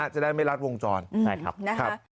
จริงนะครับ